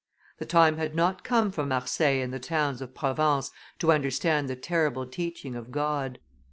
The time had not come for Marseilles and the towns of Provence to understand the terrible teaching of God.